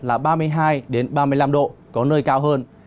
là ba mươi hai ba mươi năm độ có nơi cao hơn